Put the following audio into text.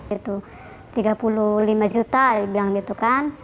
itu tiga puluh lima juta dibilang gitu kan